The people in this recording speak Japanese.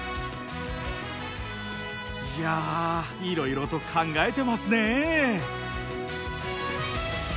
いやいろいろと考えてますね。